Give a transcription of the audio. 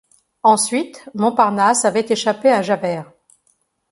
Ensuite, Montparnasse avait échappé à Javert.